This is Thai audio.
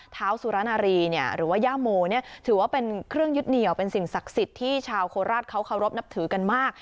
สุรนารีหรือว่าย่าโมเนี่ยถือว่าเป็นเครื่องยึดเหนียวเป็นสิ่งศักดิ์สิทธิ์ที่ชาวโคราชเขาเคารพนับถือกันมาก